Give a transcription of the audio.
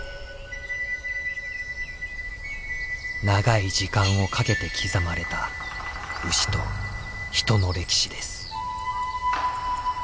長い時間をかけて刻まれた牛と人の歴史です。